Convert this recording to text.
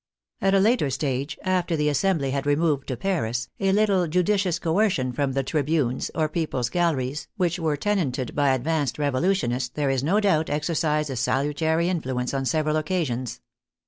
At a later stage, after the assembly had re moved to Paris, a little judicious coercion from the trib unes, or people's galleries, which were tenanted by ad vanced revolutionists, there is no doubt, exercised a salu tary influence on several occasions.